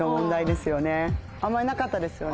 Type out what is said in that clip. あんまりなかったですよね。